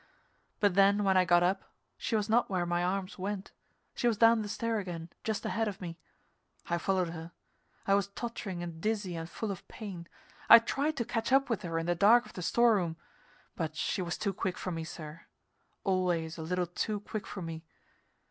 But then when I got up, she was not where my arms went; she was down the stair again, just ahead of me. I followed her. I was tottering and dizzy and full of pain. I tried to catch up with her in the dark of the store room, but she was too quick for me, sir, always a little too quick for me.